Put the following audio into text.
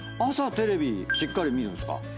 朝テレビしっかり見るんすか？